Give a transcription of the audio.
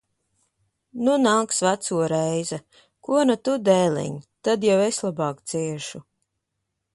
Nu nāks veco reize. Ko nu tu, dēliņ! Tad jau es labāk ciešu.